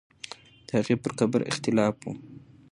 د هغې پر قبر اختلاف وو.